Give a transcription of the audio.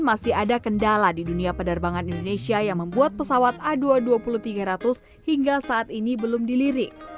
masih ada kendala di dunia penerbangan indonesia yang membuat pesawat a dua ratus dua puluh tiga ratus hingga saat ini belum dilirik